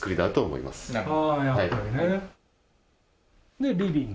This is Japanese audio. で、リビング。